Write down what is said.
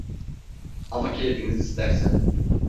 Ama keyfiniz isterse…